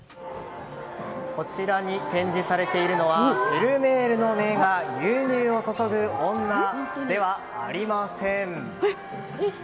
こちらに展示されているのはフェルメールの名画「牛乳を注ぐ女」ではありません。